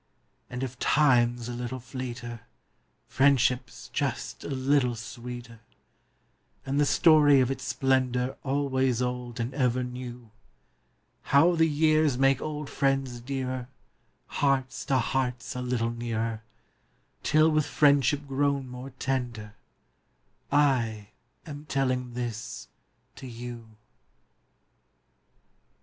y\AJD if time's a little / V fleeter, friendship s just a little sxx>eeter, And the storp o" its splendor AlvOaps old and eVer neu); Hovc> the pears make old friends dearet~, Hearts to hearts a little nearer Till voith friendship pro>xm more tender I am tellina this to ou.